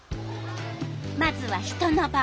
まずは人の場合。